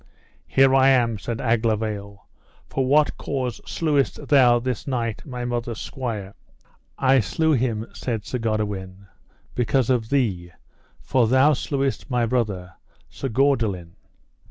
Here I am, said Aglovale: for what cause slewest thou this night my mother's squire? I slew him, said Sir Goodewin, because of thee, for thou slewest my brother, Sir Gawdelin.